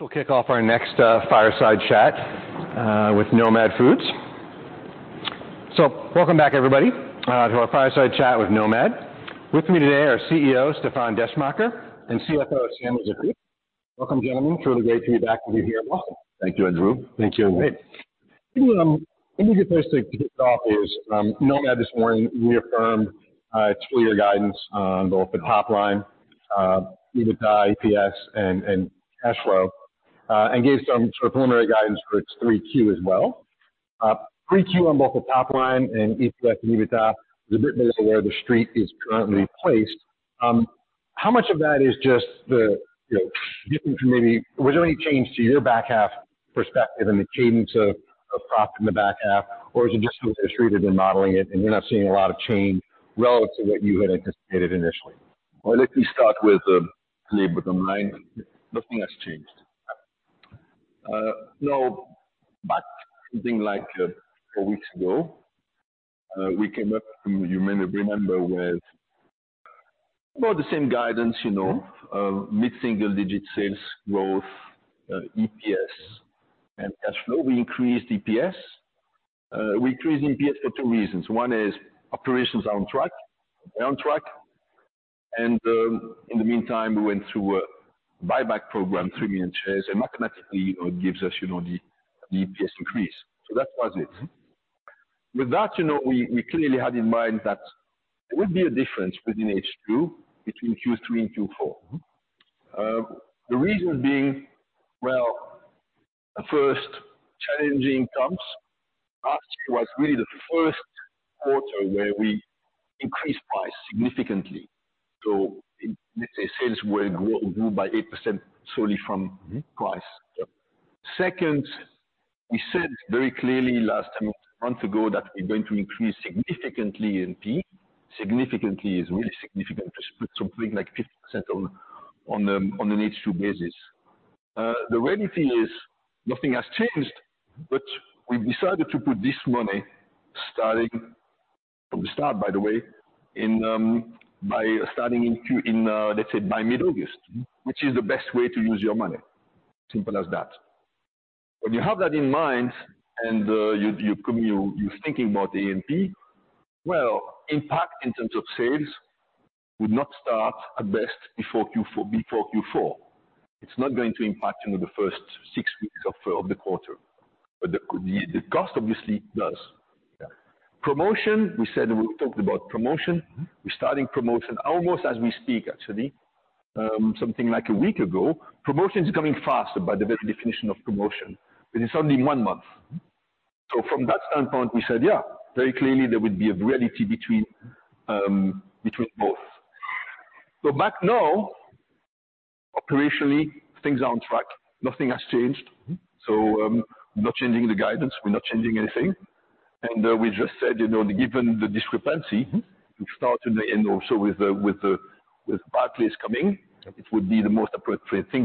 We'll kick off our next fireside chat with Nomad Foods. So welcome back, everybody, to our fireside chat with Nomad. With me today are CEO, Stéfan Descheemaeker, and CFO, Samy Zekhout. Welcome, gentlemen. Truly great to be back with you here. Thank you, Andrew. Thank you, Andrew. Great. Let me get this to kick off, Nomad this morning reaffirmed its full year guidance on both the top line, EBITDA, EPS and cash flow, and gave some sort of preliminary guidance for its Q3 as well. Q3 on both the top line and EPS and EBITDA is a bit below where the street is currently placed. How much of that is just the, you know, different committee? Was there any change to your back half perspective and the cadence of profit in the back half, or is it just what the street has been modeling it, and you're not seeing a lot of change relative to what you had anticipated initially? Well, let me start with labor of the mind. Nothing has changed. No, but something like four weeks ago, we came up, you may remember, with about the same guidance, you know- Mm-hmm. mid-single digit sales growth, EPS and cash flow. We increased EPS. We increased EPS for two reasons. One is operations are on track. They're on track, and, in the meantime, we went through a buyback program, 3 million shares, and mathematically, it gives us, you know, the, the EPS increase. So that was it. Mm-hmm. With that, you know, we clearly had in mind that there would be a difference within H2, between Q3 and Q4. Mm-hmm. The reason being, well, first, challenging comps. Last year was really the first quarter where we increased price significantly. So let's say sales will grow, grow by 8% solely from price. Mm-hmm. Second, we said very clearly last month, a month ago, that we're going to increase significantly in A&P. Significantly is really significant, to put something like 50% on the, on an H2 basis. The reality is nothing has changed, but we've decided to put this money, starting from the start, by the way, in, by starting in Q... In, let's say by mid-August. Mm-hmm. Which is the best way to use your money. Simple as that. When you have that in mind and you're thinking about the A&P, well, impact in terms of sales would not start at best before Q4. It's not going to impact, you know, the first six weeks of the quarter, but the cost obviously does. Yeah. Promotion, we said, we talked about promotion. Mm-hmm. We're starting promotion almost as we speak, actually. Something like a week ago. Promotion is coming faster by the very definition of promotion, but it's only in one month. Mm-hmm. So from that standpoint, we said, yeah, very clearly there would be a reality between between both. So back now, operationally, things are on track. Nothing has changed. Mm-hmm. We're not changing the guidance, we're not changing anything. We just said, you know, given the discrepancy- Mm-hmm. -which starts in the end, also with the Barclays coming, it would be the most appropriate thing,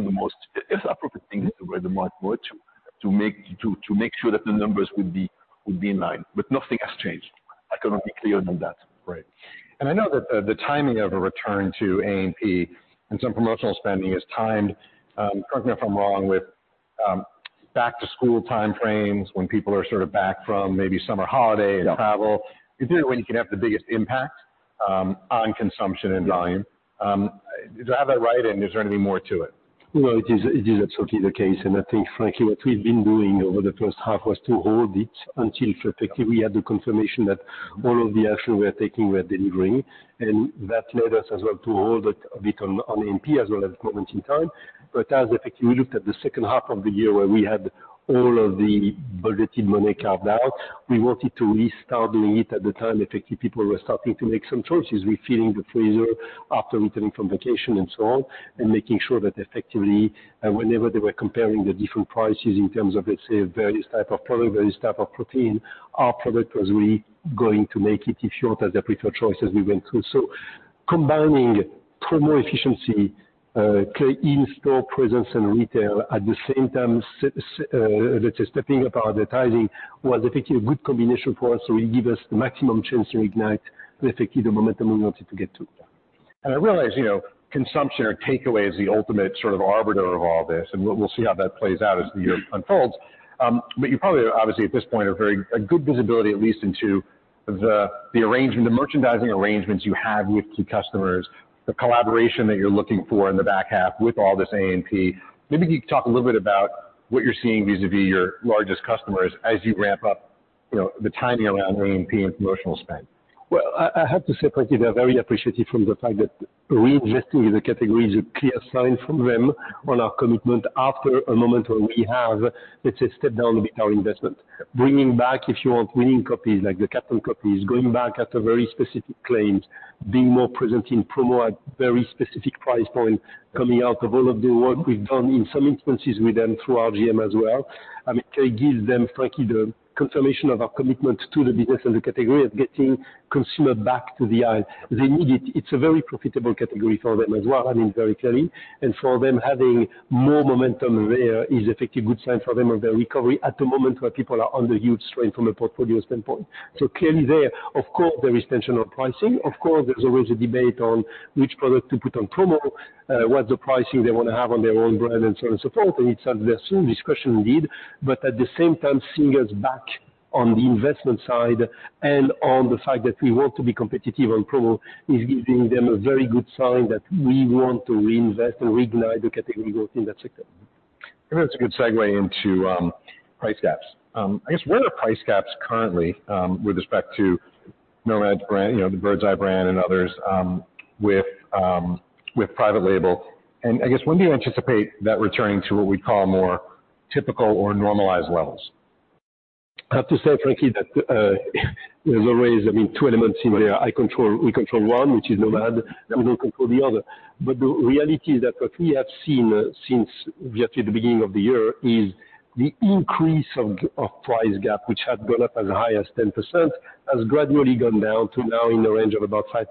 where the market would to make sure that the numbers would be in line, but nothing has changed. I cannot be clearer than that. Right. And I know that the timing of a return to A&P and some promotional spending is timed, correct me if I'm wrong, with back to school time frames when people are sort of back from maybe summer holiday and travel. Yeah. Is this when you can have the biggest impact, on consumption and volume? Yeah. Do I have that right, and is there anything more to it? Well, it is, it is absolutely the case, and I think, frankly, what we've been doing over the first half was to hold it until effectively we had the confirmation that all of the action we are taking, we're delivering. And that led us as well to hold it a bit on, on A&P, as we ll, a moment in time. But as effectively, we looked at the second half of the year, where we had all of the budgeted money carried out, we wanted to restart doing it at the time. Effectively, people were starting to make some choices, refilling the freezer after returning from vacation and so on, and making sure that effectively, whenever they were comparing the different prices in terms of, let's say, various type of product, various type of protein, our product was really going to make it, if you want, as their preferred choice as we went through. So combining promo efficiency, in-store presence and retail at the same time, let's say, stepping up our advertising, was effectively a good combination for us. So it give us the maximum chance to ignite effectively the momentum we wanted to get to. And I realize, you know, consumption or takeaway is the ultimate sort of arbiter of all this, and we'll see how that plays out as the year unfolds. But you probably are obviously, at this point, are very... a good visibility, at least into the arrangement, the merchandising arrangements you have with key customers, the collaboration that you're looking for in the back half with all this A&P. Maybe you could talk a little bit about what you're seeing vis-a-vis your largest customers as you ramp up, you know, the timing around A&P with promotional spend. Well, I have to say, frankly, they're very appreciative from the fact that readjusting the category is a clear sign from them on our commitment after a moment where we have, let's say, stepped down a bit, our investment. Bringing back, if you want, winning copies, like the Captain copies, going back at a very specific claims.... being more present in promo at very specific price point, coming out of all of the work we've done in some instances with them through RGM as well. I mean, it gives them, frankly, the confirmation of our commitment to the business and the category of getting consumer back to the aisle. They need it. It's a very profitable category for them as well, I mean, very clearly, and for them, having more momentum there is effectively a good sign for them of their recovery at the moment, where people are under huge strain from a portfolio standpoint. So clearly there, of course, there is tension on pricing. Of course, there's always a debate on which product to put on promo, what's the pricing they want to have on their own brand, and so on and so forth, and it's a discussion indeed, but at the same time, seeing us back on the investment side and on the fact that we want to be competitive on promo, is giving them a very good sign that we want to reinvest and reignite the category growth in that sector. That's a good segue into price gaps. I guess, where are price gaps currently with respect to Nomad brand, you know, the Birds Eye brand and others, with private label, and I guess, when do you anticipate that returning to what we'd call more typical or normalized levels? I have to say, frankly, that there's always, I mean, two elements in there. I control, we control one, which is Nomad, and we don't control the other. But the reality is that what we have seen since the beginning of the year is the increase of price gap, which had gone up as high as 10%, has gradually gone down to now in the range of about 5%.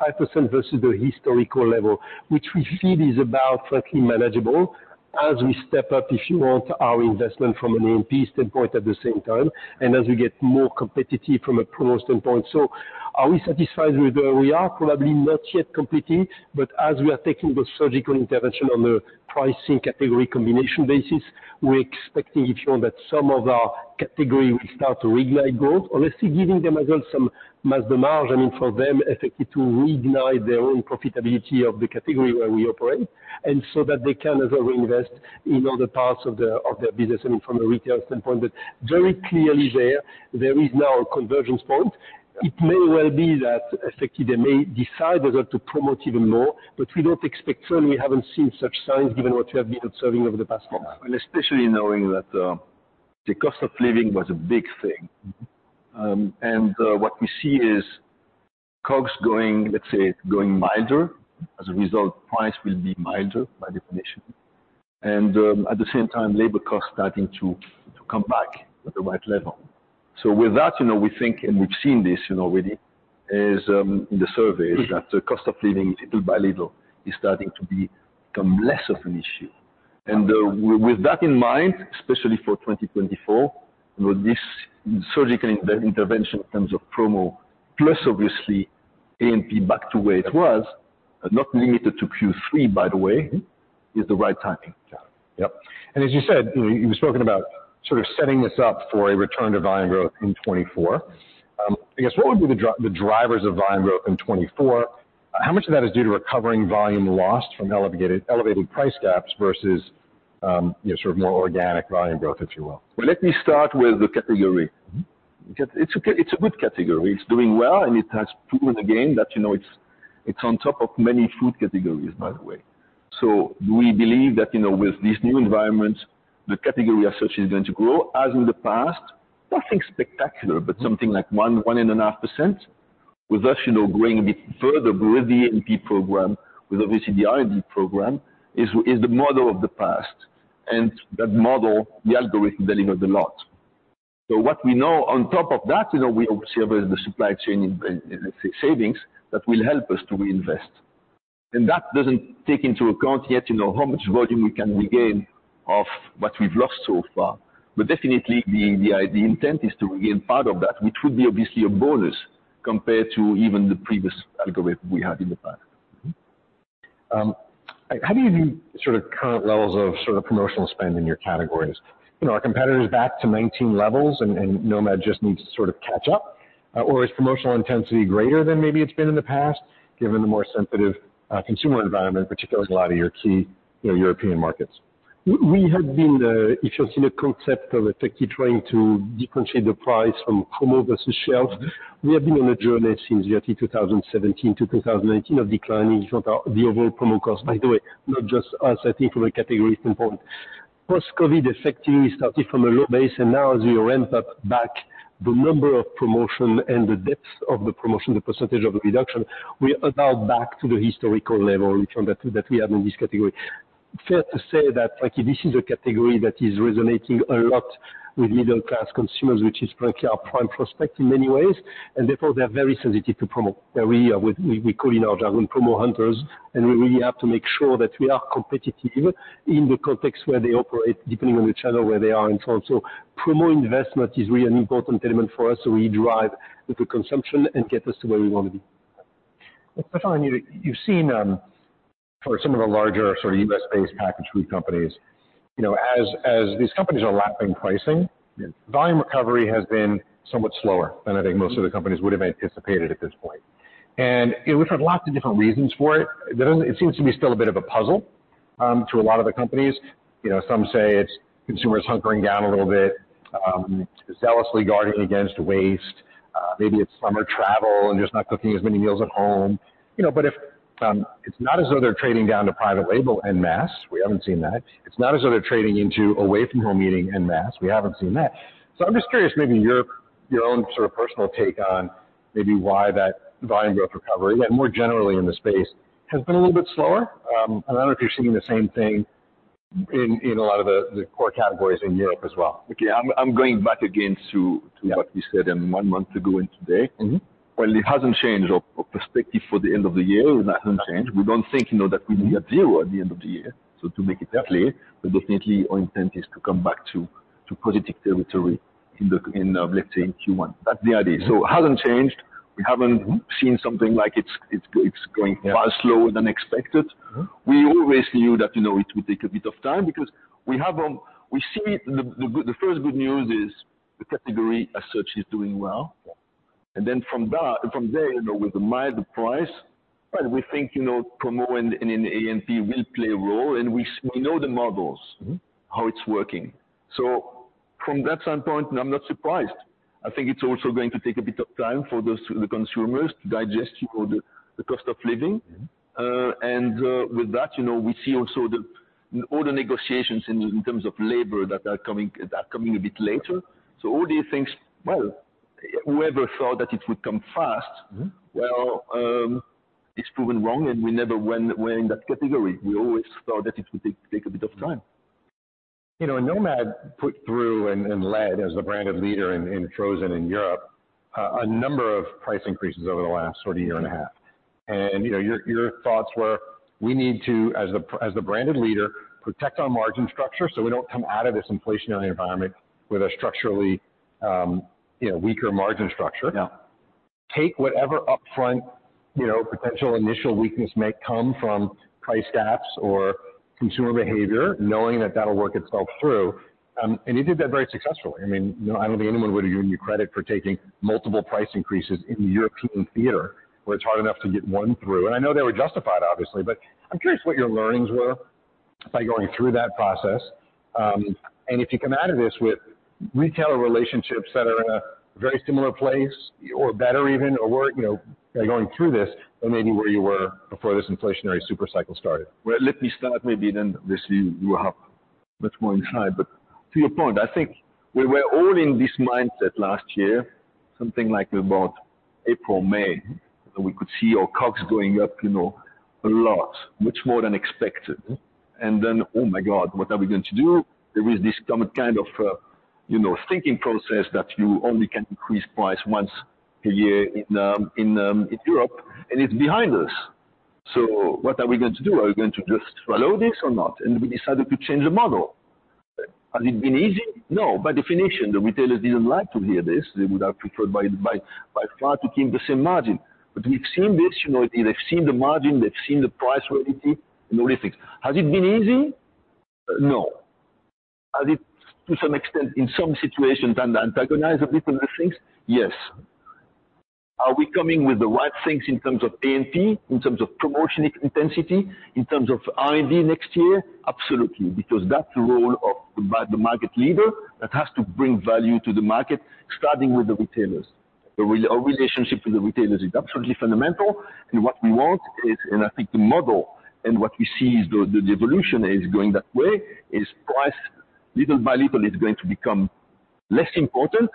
5% versus the historical level, which we feel is about frankly manageable as we step up, if you want, our investment from an A&P standpoint at the same time, and as we get more competitive from a promo standpoint. So are we satisfied with where we are? Probably not yet completely, but as we are taking the surgical intervention on a pricing category combination basis, we're expecting, if you want, that some of our category will start to reignite growth, honestly, giving them as well some margin for them effectively to reignite their own profitability of the category where we operate, and so that they can as well reinvest in other parts of their, of their business, I mean, from a retail standpoint. But very clearly there, there is now a convergence point. It may well be that effectively, they may decide whether to promote even more, but we don't expect, certainly, we haven't seen such signs given what we have been observing over the past months. Especially knowing that the cost of living was a big thing. What we see is COGS going, let's say, going milder. As a result, price will be milder, by definition, and at the same time, labor costs starting to, to come back at the right level. So with that, you know, we think, and we've seen this, you know, already, is in the surveys, that the cost of living, little by little, is starting to become less of an issue. And with that in mind, especially for 2024, with this surgical intervention in terms of promo, plus obviously A&P back to where it was, not limited to Q3, by the way, is the right timing. Yep. And as you said, you were talking about sort of setting this up for a return to volume growth in 2024. I guess, what would be the drivers of volume growth in 2024? How much of that is due to recovering volume lost from elevated price gaps versus, you know, sort of more organic volume growth, if you will? Let me start with the category. It's a good category. It's doing well, and it has proven again that, you know, it's on top of many food categories, by the way. So we believe that, you know, with this new environment, the category as such is going to grow as in the past. Nothing spectacular, but something like 1-1.5%. With us, you know, going a bit further with the A&P program, with obviously the R&D program, is the model of the past, and that model, the algorithm delivered a lot. So what we know on top of that is that we observe the supply chain, let's say, savings, that will help us to reinvest. And that doesn't take into account yet, you know, how much volume we can regain of what we've lost so far. But definitely the intent is to regain part of that, which would be obviously a bonus compared to even the previous algorithm we had in the past. How do you view sort of current levels of sort of promotional spend in your categories? You know, are competitors back to 2019 levels and, and Nomad just needs to sort of catch up? Or is promotional intensity greater than maybe it's been in the past, given the more sensitive consumer environment, particularly a lot of your key, you know, European markets? We have been, if you've seen a concept of effectively trying to differentiate the price from promo versus shelf, we have been on a journey since 2017 to 2019 of declining the overall promo cost, by the way, not just us, I think, from a category standpoint. Post-COVID, effectively, we started from a low base, and now as we ramp up back the number of promotion and the depth of the promotion, the percentage of the reduction, we are now back to the historical level, which that we have in this category. Fair to say that, frankly, this is a category that is resonating a lot with middle-class consumers, which is frankly our prime prospect in many ways, and therefore they're very sensitive to promo. We, we call in our jargon, promo hunters, and we really have to make sure that we are competitive in the context where they operate, depending on the channel where they are in front. So promo investment is really an important element for us, so we drive the consumption and get us to where we want to be. You've seen, for some of the larger sort of U.S.-based packaged food companies, you know, as these companies are lapping pricing, volume recovery has been somewhat slower than I think most of the companies would have anticipated at this point. We've heard lots of different reasons for it. It doesn't, it seems to be still a bit of a puzzle, to a lot of the companies. You know, some say it's consumers hunkering down a little bit, zealously guarding against waste. Maybe it's summer travel and just not cooking as many meals at home. You know, but if it's not as though they're trading down to private label en masse, we haven't seen that. It's not as though they're trading into away-from-home eating en masse, we haven't seen that. So I'm just curious, maybe your own sort of personal take on maybe why that volume growth recovery, and more generally in the space, has been a little bit slower. I don't know if you're seeing the same thing in a lot of the core categories in Europe as well? Okay, I'm going back again to what we said in one month ago and today. Mm-hmm. Well, it hasn't changed our perspective for the end of the year, that hasn't changed. We don't think, you know, that we will be at zero at the end of the year, so to make it that clear, but definitely our intent is to come back to positive territory in, let's say, in Q1. That's the idea. So it hasn't changed. We haven't seen something like it's going far slower than expected. Mm-hmm. We always knew that, you know, it would take a bit of time because we have. We see the first good news is the category as such is doing well. Yeah. From that, from there, you know, with the mild price, well, we think, you know, promo and A&P will play a role, and we know the models- Mm-hmm. how it's working. So from that standpoint, I'm not surprised. I think it's also going to take a bit of time for those consumers to digest, you know, the cost of living. Mm-hmm. And, with that, you know, we see also the, all the negotiations in terms of labor that are coming a bit later. So all these things, well, whoever thought that it would come fast- Mm-hmm. Well, it's proven wrong, and we never were in that category. We always thought that it would take a bit of time. You know, Nomad put through and led as the branded leader in frozen in Europe a number of price increases over the last sort of year and a half. You know, your thoughts were we need to, as the branded leader, protect our margin structure so we don't come out of this inflationary environment with a structurally weaker margin structure. Yeah. Take whatever upfront, you know, potential initial weakness may come from price gaps or consumer behavior, knowing that that'll work itself through. You did that very successfully. I mean, you know, I don't think anyone would argue with your credit for taking multiple price increases in the European theater, where it's hard enough to get one through, and I know they were justified, obviously, but I'm curious what your learnings were by going through that process. If you come out of this with retailer relationships that are in a very similar place, or better even, or where, you know, are going through this, or maybe where you were before this inflationary super cycle started. Well, let me start maybe then. You have much more insight. But to your point, I think we were all in this mindset last year, something like about April, May. We could see our costs going up, you know, a lot, much more than expected. And then, "Oh my God, what are we going to do?" There is this kind of, you know, thinking process that you only can increase price once a year in Europe, and it's behind us. So what are we going to do? Are we going to just swallow this or not? And we decided to change the model. Has it been easy? No. By definition, the retailers didn't like to hear this. They would have preferred by far to keep the same margin. But we've seen this, you know, they've seen the margin, they've seen the price relative and all these things. Has it been easy? No. Has it, to some extent, in some situations, been antagonized a bit on these things? Yes. Are we coming with the right things in terms of A&P, in terms of promotion intensity, in terms of R&D next year? Absolutely, because that's the role of the market leader that has to bring value to the market, starting with the retailers. Our relationship with the retailers is absolutely fundamental, and what we want is... And I think the model and what we see is the evolution is going that way, is price, little by little, is going to become less important.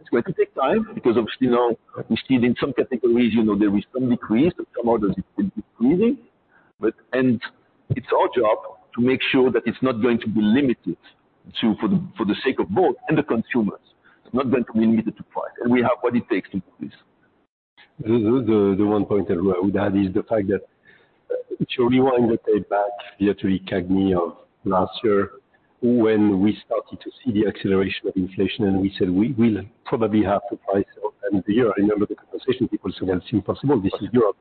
It's going to take time because, obviously, now we see it in some categories, you know, there is some decrease, in some others it's increasing. And it's our job to make sure that it's not going to be limited to, for the sake of both and the consumers. It's not going to be limited to price, and we have what it takes to do this. The one point that I would add is the fact that to rewind the tape back to the beginning of last year, when we started to see the acceleration of inflation, and we said we will probably have to price at the end of the year. I remember the conversation, people said, "Well, it's impossible, this is Europe."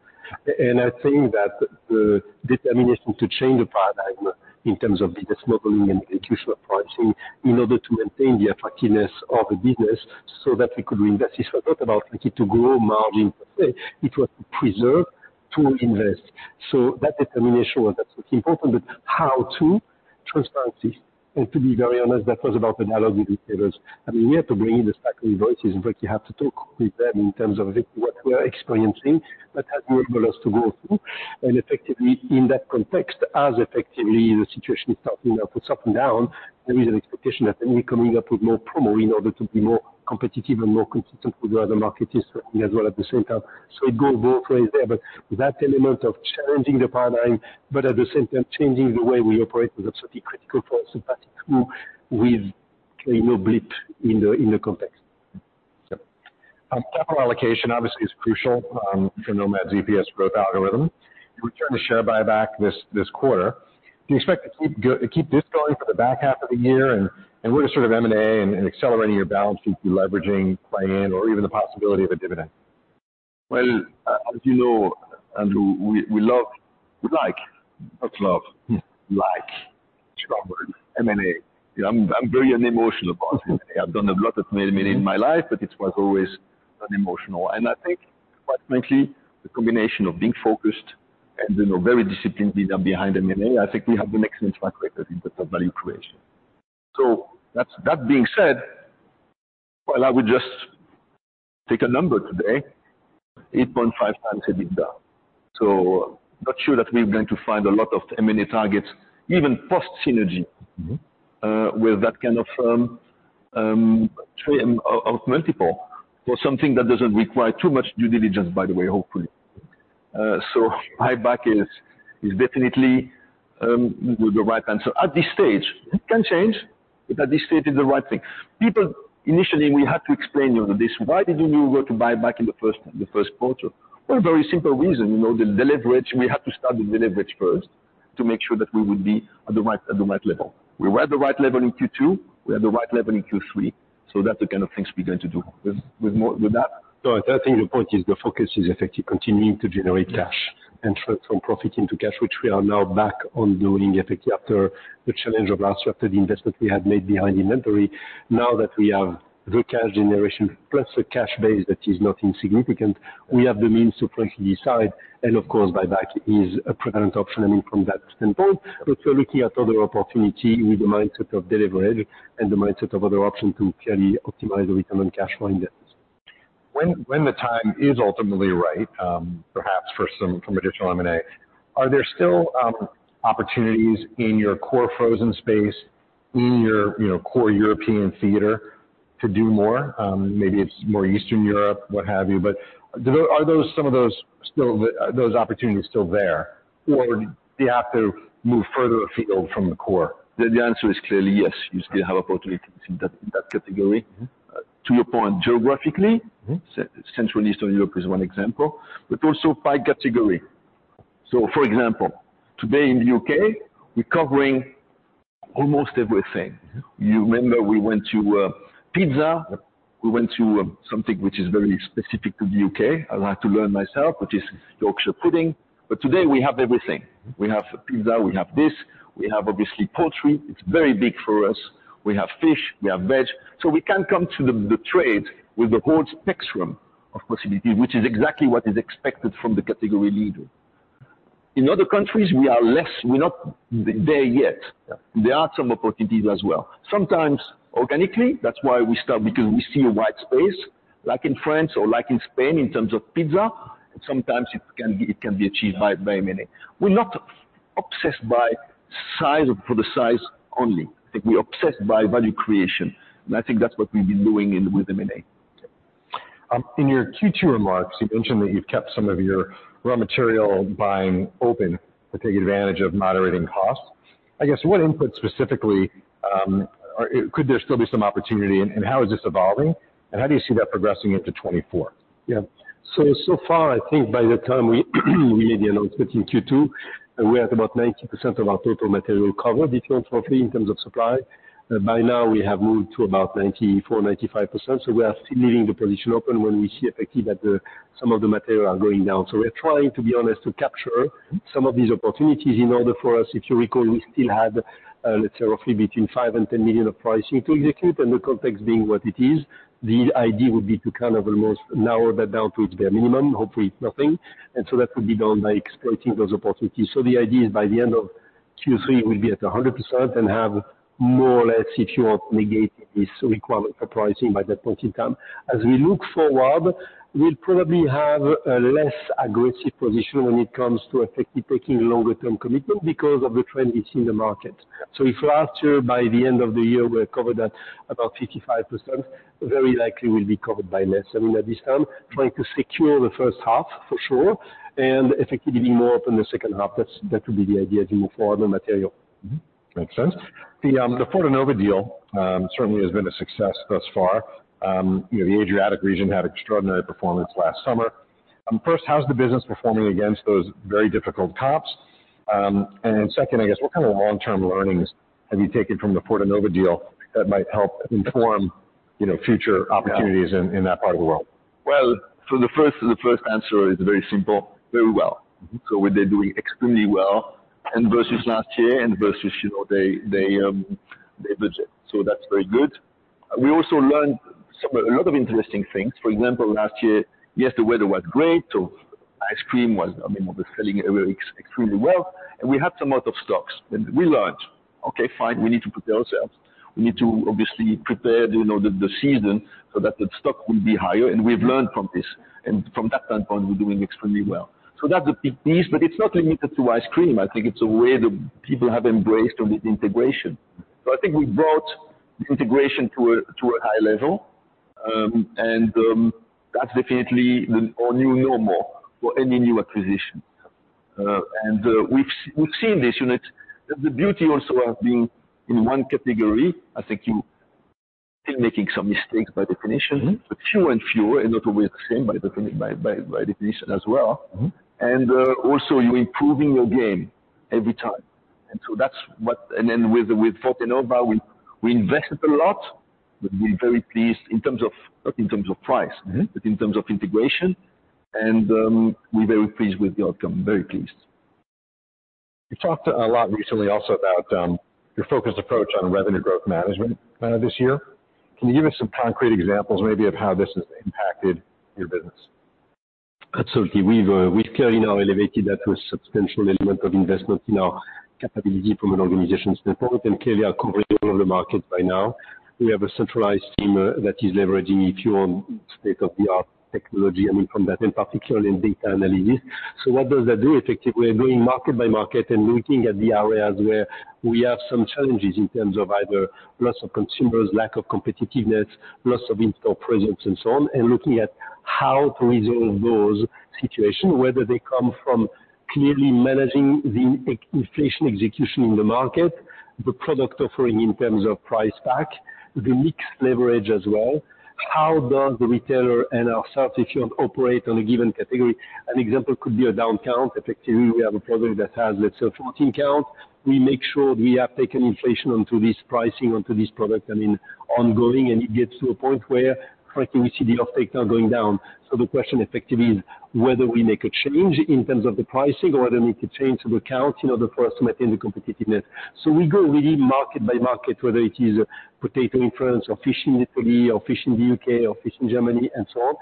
And I think that the determination to change the paradigm in terms of business modeling and traditional pricing, in order to maintain the attractiveness of the business so that we could reinvest, it's not about looking to grow margin per se, it was to preserve, to invest. So that determination was, that's important, but how to? Transparency. And to be very honest, that was about an alliance with retailers. I mean, we had to bring in the stack of invoices, but you have to talk with them in terms of what we're experiencing, but has more for less to go through. And effectively, in that context, as effectively the situation is starting up, it's up and down, there is an expectation that we're coming up with more promo in order to be more competitive and more consistent with the other market is as well at the same time. So it goes both ways there, but that element of challenging the paradigm, but at the same time, changing the way we operate was absolutely critical for us, and that through with, you know, blip in the, in the context. Capital allocation obviously is crucial for Nomad's EPS growth algorithm. You returned to share buyback this, this quarter. Do you expect to keep this going for the back half of the year, and, and what is sort of M&A and accelerating your balance sheet, deleveraging, play in, or even the possibility of a dividend? Well, as you know, Andrew, we like M&A. Like, it's a strong word. I'm very unemotional about M&A. I've done a lot of M&A in my life, but it was always unemotional. And I think, quite frankly, the combination of being focused and, you know, very disciplined behind M&A, I think we have an excellent track record in terms of value creation. So that being said, well, I would just take a number today, 8.5x EBITDA. So not sure that we're going to find a lot of M&A targets, even post synergy, with that kind of train of multiple, for something that doesn't require too much due diligence, by the way, hopefully. So buyback is definitely the right answer. At this stage, it can change, but at this stage, it's the right thing. People, initially, we had to explain this, why did you go to buy back in the first, the first quarter? For a very simple reason, you know, the leverage, we have to start the leverage first to make sure that we would be at the right, at the right level. We were at the right level in Q2, we're at the right level in Q3, so that's the kind of things we're going to do with, with more, with that? No, I think the point is the focus is effectively continuing to generate cash and turn from profit into cash, which we are now back on doing effectively after the challenge of our structured investment we had made behind inventory. Now that we have the cash generation, plus a cash base that is not insignificant, we have the means to frankly decide, and of course, buyback is a prevalent option, I mean, from that standpoint. But we're looking at other opportunity with the mindset of delivery and the mindset of other options to clearly optimize the return on cash flow and debts. When, when the time is ultimately right, perhaps for some, from additional M&A, are there still, opportunities in your core frozen space, in your, you know, core European theater to do more? Maybe it's more Eastern Europe, what have you, but do the... Are those, some of those still, those opportunities still there, or do you have to move further afield from the core? The answer is clearly yes. You still have opportunities in that, in that category. Mm-hmm. To your point, geographically- Mm-hmm. Central Eastern Europe is one example, but also by category. So, for example, today in the UK, we're covering almost everything. You remember, we went to pizza, we went to something which is very specific to the UK. I'll have to learn myself, which is Yorkshire pudding. But today we have everything. We have pizza, we have this, we have obviously poultry; it's very big for us. We have fish, we have veg. So we can come to the trade with the whole spectrum of possibility, which is exactly what is expected from the category leader. In other countries, we are less; we're not there yet. Yeah. There are some opportunities as well, sometimes organically. That's why we start, because we see a wide space, like in France or like in Spain, in terms of pizza, sometimes it can be, it can be achieved by, by M&A. We're not obsessed by size, for the size only. I think we're obsessed by value creation, and I think that's what we've been doing in, with M&A. In your Q2 remarks, you mentioned that you've kept some of your raw material buying open to take advantage of moderating costs. I guess, what input specifically could there still be some opportunity, and how is this evolving, and how do you see that progressing into 2024? Yeah. So far, I think by the time we made the announcement in Q2, we're at about 90% of our total material covered, roughly, in terms of supply. By now, we have moved to about 94%-95%, so we are still leaving the position open when we see effectively that some of the material are going down. So we're trying, to be honest, to capture some of these opportunities in order for us, if you recall, we still had, let's say, roughly between 5 and 10 million of pricing to execute, and the context being what it is, the idea would be to kind of almost narrow that down to its bare minimum, hopefully nothing. And so that would be done by exploiting those opportunities. So the idea is by the end of Q3, we'll be at 100% and have more or less, if you want, negated this requirement for pricing by that point in time. As we look forward, we'll probably have a less aggressive position when it comes to effectively taking longer term commitment because of the trend we see in the market. So if last year, by the end of the year, we're covered at about 55%, very likely we'll be covered by less. I mean, at this time, trying to secure the first half for sure, and effectively be more open the second half, that's, that would be the idea as we move forward the material. Mm-hmm. Makes sense. The Fortenova deal certainly has been a success thus far. You know, the Adriatic region had extraordinary performance last summer. First, how's the business performing against those very difficult comps? And then second, I guess, what kind of long-term learnings have you taken from the Fortenova deal that might help inform, you know, future opportunities in that part of the world? Well, so the first, the first answer is very simple, very well. So we've been doing extremely well and versus last year and versus, you know, they, they, they budget. So that's very good. We also learned some, a lot of interesting things. For example, last year, yes, the weather was great, so ice cream was, I mean, was selling extremely well, and we had some out of stocks, and we learned, okay, fine, we need to prepare ourselves. We need to obviously prepare, you know, the, the season so that the stock will be higher, and we've learned from this, and from that standpoint, we're doing extremely well. So that's a big piece, but it's not limited to ice cream. I think it's a way that people have embraced on the integration. So I think we brought the integration to a high level, and that's definitely our new normal for any new acquisition. We've seen this, you know, the beauty also of being in one category. I think you still making some mistakes by definition- Mm-hmm. but fewer and fewer, and not always the same, by definition as well. Mm-hmm. Also, you're improving your game every time. And so that's what... And then with Fortenova, we invested a lot, but we're very pleased in terms of, not in terms of price- Mm-hmm. But in terms of integration, and, we're very pleased with the outcome. Very pleased. You talked a lot recently also about your focused approach on Revenue Growth Management this year. Can you give us some concrete examples maybe of how this has impacted your business?... Absolutely. We've clearly now elevated that to a substantial element of investment in our capability from an organization standpoint, and clearly are covering all of the markets by now. We have a centralized team that is leveraging, if you want, state-of-the-art technology, I mean, from that, and particularly in data analysis. So what does that do effectively? We're going market by market and looking at the areas where we have some challenges in terms of either loss of consumers, lack of competitiveness, loss of in-store presence, and so on, and looking at how to resolve those situations, whether they come from clearly managing the inflation execution in the market, the product offering in terms of price pack, the mix leverage as well. How does the retailer and ourselves, if you want, operate on a given category? An example could be a down count. Effectively, we have a product that has, let's say, 14 count. We make sure we have taken inflation onto this pricing, onto this product, I mean, ongoing, and it gets to a point where frankly, we see the offtake now going down. So the question effectively is whether we make a change in terms of the pricing or whether we need to change the count, you know, the first to maintain the competitiveness. So we go really market by market, whether it is potato in France or fish in Italy or fish in the UK or fish in Germany, and so on.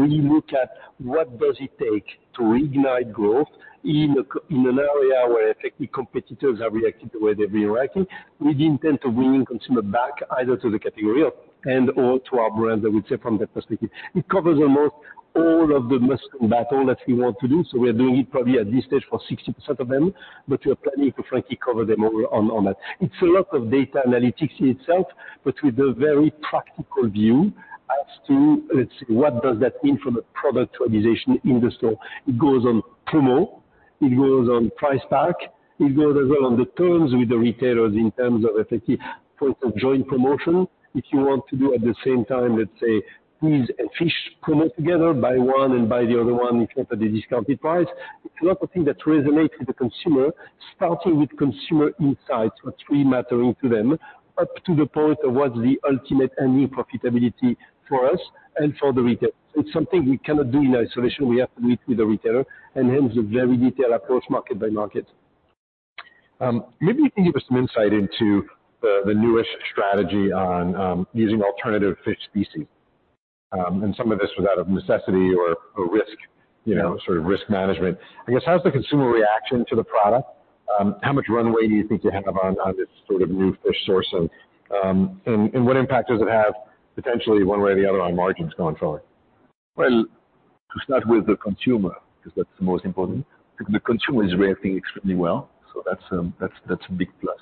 We look at what does it take to reignite growth in an area where, effectively, competitors have reacted the way they've been reacting, with the intent of winning consumer back, either to the category or, and/or to our brand, I would say, from that perspective. It covers almost all of the Must Win Battles that we want to do, so we're doing it probably at this stage for 60% of them, but we are planning to frankly cover them all on, on that. It's a lot of data analytics in itself, but with a very practical view as to, let's see, what does that mean from a product organization in the store? It goes on promo, it goes on price pack, it goes as well on the terms with the retailers in terms of effective point of joint promotion. If you want to do at the same time, let's say, peas and fish promo together, buy one and buy the other one, if not at a discounted price. It's a lot of things that resonates with the consumer, starting with consumer insights, what's really mattering to them, up to the point of what's the ultimate end profitability for us and for the retailer. It's something we cannot do in isolation. We have to meet with the retailer, and hence, a very detailed approach, market by market. Maybe you can give us some insight into the newest strategy on using alternative fish species. And some of this was out of necessity or risk, you know, sort of risk management. I guess, how's the consumer reaction to the product? How much runway do you think you have on this sort of new fish source, and what impact does it have, potentially, one way or the other, on margins going forward? Well, to start with the consumer, 'cause that's the most important. The consumer is reacting extremely well, so that's a big plus.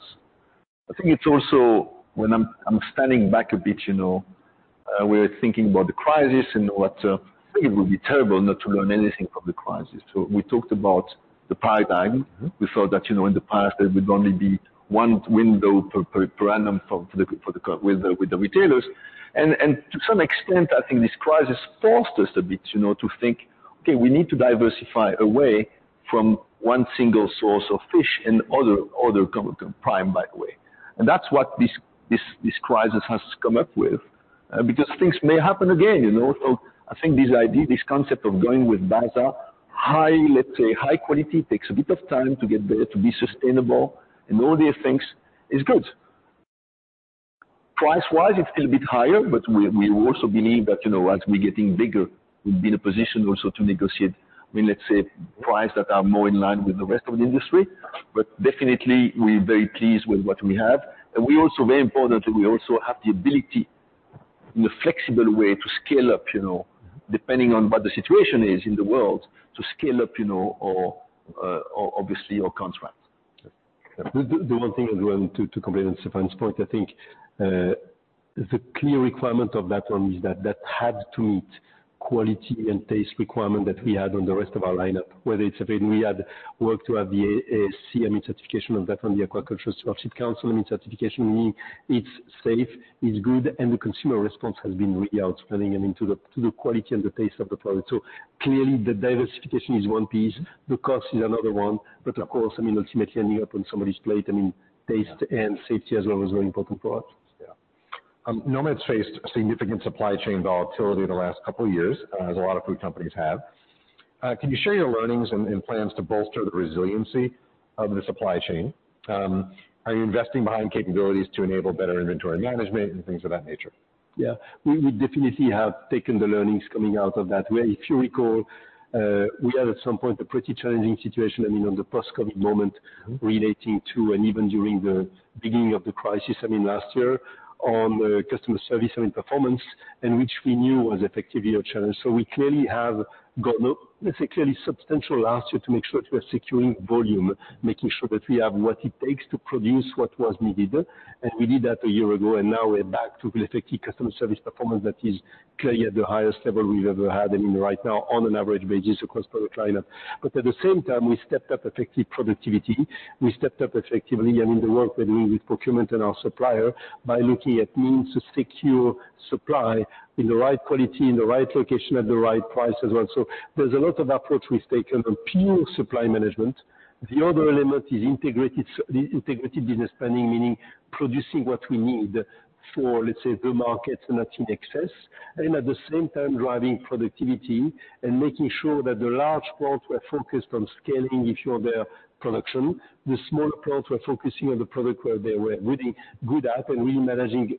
I think it's also, when I'm standing back a bit, you know, we're thinking about the crisis and what... I think it would be terrible not to learn anything from the crisis. So we talked about the paradigm. We thought that, you know, in the past, there would only be one window per annum with the retailers. And to some extent, I think this crisis forced us a bit, you know, to think, "Okay, we need to diversify away from one single source of fish and other prime, by the way." And that's what this crisis has come up with, because things may happen again, you know? So I think this idea, this concept of going with other high, let's say, high quality, takes a bit of time to get there, to be sustainable and all these things, is good. Price-wise, it's still a bit higher, but we, we also believe that, you know, as we're getting bigger, we'll be in a position also to negotiate, I mean, let's say, prices that are more in line with the rest of the industry. But definitely, we're very pleased with what we have. And we also, very importantly, we also have the ability, in a flexible way, to scale up, you know, depending on what the situation is in the world, to scale up, you know, or, or obviously, or contract. The one thing as well, to complete on Stéfan's point, I think, the clear requirement of that one is that that had to meet quality and taste requirement that we had on the rest of our lineup. Whether it's, I mean, we had worked to have the MSC certification on that one, the Aquaculture Stewardship Council, I mean, certification, meaning it's safe, it's good, and the consumer response has been really outstanding and into the quality and the taste of the product. So clearly, the diversification is one piece, the cost is another one. But of course, I mean, ultimately ending up on somebody's plate, I mean, taste and safety as well is very important for us. Yeah. Nomad's faced significant supply chain volatility in the last couple of years, as a lot of food companies have. Can you share your learnings and plans to bolster the resiliency of the supply chain? Are you investing behind capabilities to enable better inventory management and things of that nature? Yeah. We definitely have taken the learnings coming out of that, where if you recall, we had at some point a pretty challenging situation, I mean, on the post-COVID moment, relating to and even during the beginning of the crisis, I mean, last year, on customer service and performance, and which we knew was effectively a challenge. So we clearly have gone up, let's say, clearly substantial last year, to make sure that we're securing volume, making sure that we have what it takes to produce what was needed. And we did that a year ago, and now we're back to effectively customer service performance that is clearly at the highest level we've ever had, I mean, right now, on an average basis across product lineup. But at the same time, we stepped up effective productivity. We stepped up effectively and in the work that we do with procurement and our supplier, by looking at means to secure supply in the right quality, in the right location, at the right price as well. So there's a lot of approach we've taken on pure supply management. The other element is Integrated Business Planning, meaning producing what we need for, let's say, the market, and not in excess. And at the same time, driving productivity and making sure that the large plants were focused on scaling, if you will, their production. The small plants were focusing on the product where they were really good at and really managing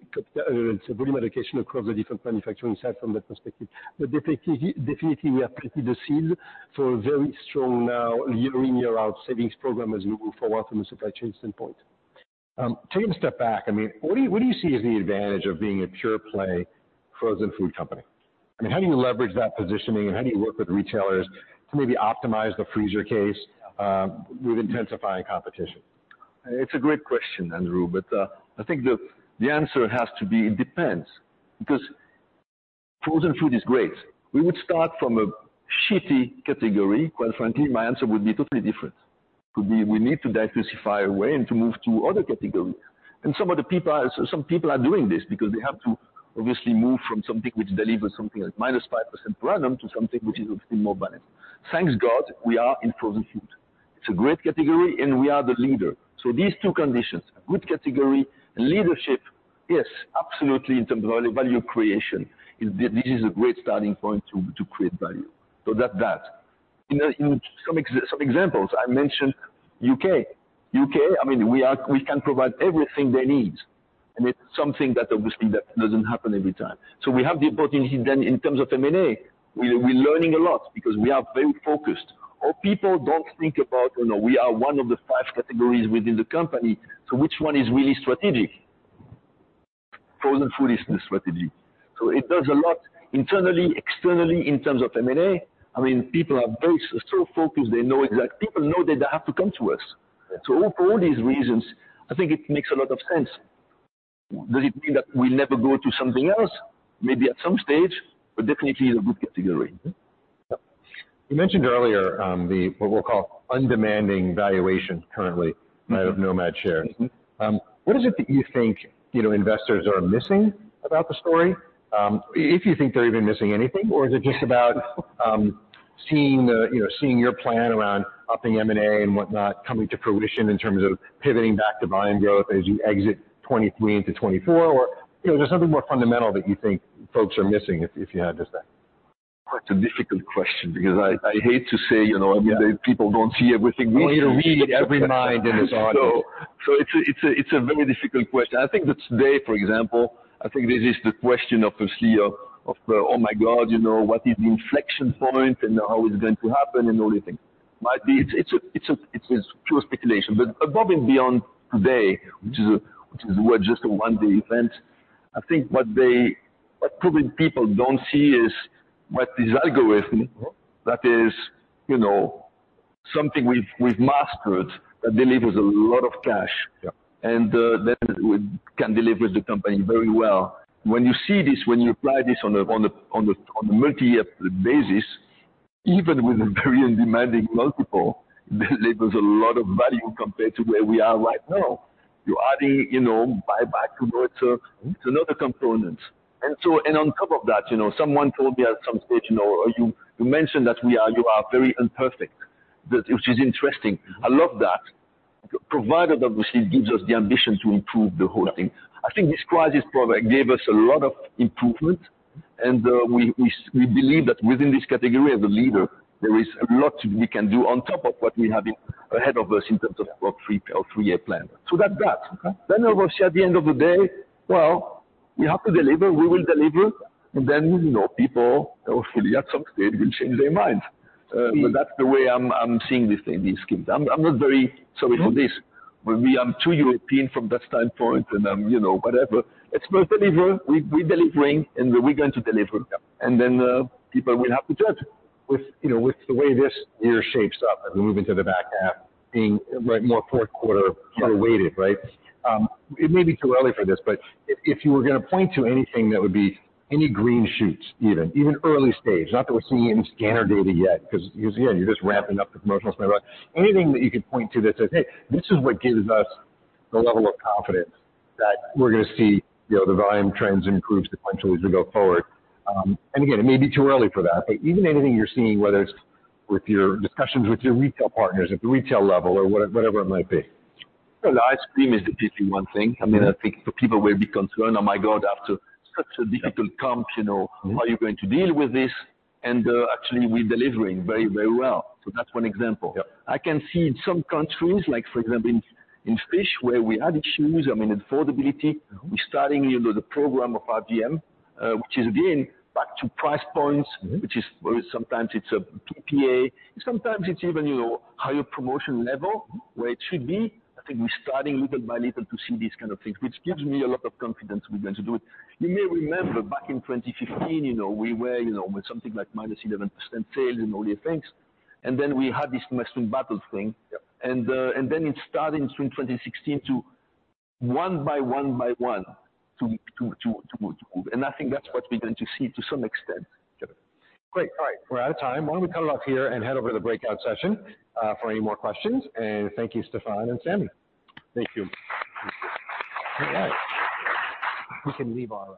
volume allocation across the different manufacturing sites from that perspective. But definitely, definitely, we are pretty focused on a very strong ongoing year-in, year-out savings program as we move forward from a supply chain standpoint.... taking a step back, I mean, what do you see as the advantage of being a pure play frozen food company? I mean, how do you leverage that positioning, and how do you work with retailers to maybe optimize the freezer case with intensifying competition? It's a great question, Andrew, but I think the, the answer has to be, it depends, because frozen food is great. We would start from a category, quite frankly, my answer would be totally different. Could be we need to diversify away and to move to other categories. Some people are doing this because they have to obviously move from something which delivers something like -5%, to something which is obviously more balanced. Thank God, we are in frozen food. It's a great category, and we are the leader. So these two conditions, good category and leadership, yes, absolutely in terms of value creation, this is a great starting point to create value. So that's that. In some examples, I mentioned UK. UK, I mean, we can provide everything they need, and it's something that obviously doesn't happen every time. So we have the opportunity then, in terms of M&A, we're learning a lot because we are very focused. Our people don't think about, you know, we are one of the five categories within the company, so which one is really strategic? Frozen food is the strategy. So it does a lot internally, externally, in terms of M&A. I mean, people are very so focused, they know exactly. People know that they have to come to us. So for all these reasons, I think it makes a lot of sense. Does it mean that we never go to something else? Maybe at some stage, but definitely is a good category. You mentioned earlier, what we'll call undemanding valuation currently, right, of Nomad shares. Mm-hmm. What is it that you think, you know, investors are missing about the story? If you think they're even missing anything, or is it just about, you know, seeing your plan around upping M&A and whatnot coming to fruition in terms of pivoting back to volume growth as you exit 2023 into 2024? Or, you know, there's something more fundamental that you think folks are missing, if you had to say? It's a difficult question because I hate to say, you know, I mean, people don't see everything we see. We need to read every mind in this audience. So, it's a very difficult question. I think that today, for example, this is the question, obviously, of "Oh my God, you know, what is the inflection point and how is it going to happen?" And all these things. Might be... It's pure speculation, but above and beyond today, which is, we're just a one-day event, I think what probably people don't see is what this algorithm is, you know, something we've mastered, that delivers a lot of cash. Yeah. That can deliver the company very well. When you see this, when you apply this on a multi-year basis, even with a very undemanding multiple, delivers a lot of value compared to where we are right now. You're adding, you know, buyback componet to another component. And so, on top of that, you know, someone told me at some stage, you know, you mentioned that you are very imperfect, that which is interesting. I love that. Provided, obviously, it gives us the ambition to improve the whole thing. Yeah. I think this crisis product gave us a lot of improvement, and we believe that within this category, as a leader, there is a lot we can do on top of what we have ahead of us in terms of our three-year plan. So that's that. Okay. Then obviously, at the end of the day, well, we have to deliver, we will deliver, and then, you know, people hopefully at some stage will change their minds. But that's the way I'm seeing this thing, this scheme. I'm not very sorry for this, but me, I'm too European from that standpoint, and, you know, whatever. It's my deliver. We're delivering, and we're going to deliver. Yeah. Then, people will have to judge. With, you know, with the way this year shapes up as we move into the back half, being more fourth quarter- Yeah. -weighted, right? It may be too early for this, but if you were going to point to anything that would be any green shoots, even early stage, not that we're seeing any scanner data yet, 'cause again, you're just ramping up the promotional spend. But anything that you could point to that says, "Hey, this is what gives us the level of confidence that we're going to see, you know, the volume trends improve sequentially as we go forward." And again, it may be too early for that, but even anything you're seeing, whether it's with your discussions with your retail partners at the retail level or whatever it might be. Well, the ice cream is the one thing. I mean, I think people will be concerned, "Oh my God, after such a difficult comp, you know, how are you going to deal with this?" And, actually, we're delivering very, very well. So that's one example. Yeah. I can see in some countries, like for example, in fish, where we had issues, I mean, affordability, we're starting the program of RGM, which is again, back to price points. Mm-hmm. -which is sometimes it's a PPA, sometimes it's even, you know, higher promotion level, where it should be. I think we're starting little by little to see these kind of things, which gives me a lot of confidence we're going to do it. You may remember back in 2015, you know, we were, you know, with something like -11% sales and all these things, and then we had this battle thing. Yeah. And then it started in spring 2016 to one by one to move. And I think that's what we're going to see to some extent. Great. All right. We're out of time. Why don't we cut it off here and head over to the breakout session for any more questions, and thank you, Stéfan and Samy. Thank you. All right. We can leave our...